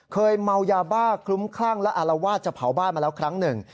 เคยเมายาบ้าคลุ้มคลั่งและอารวาสจะเผาบ้านมาแล้วครั้งหนึ่ง